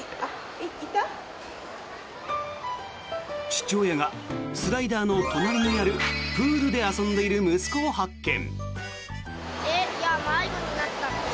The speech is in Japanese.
父親がスライダーの隣にあるプールで遊んでいる息子を発見。